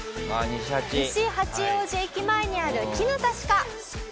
西八王子駅前にあるきぬた歯科。